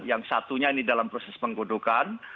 yang satunya ini dalam proses penggodokan